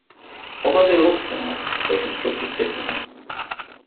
Although they look similar, they are constructed differently.